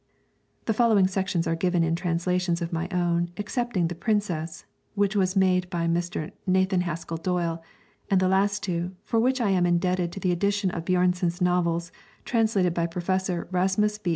[The following selections are given in translations of my own, excepting 'The Princess,' which was made by Mr. Nathan Haskell Dole, and the last two, for which I am indebted to the edition of Björnson's novels translated by Professor Rasmus B.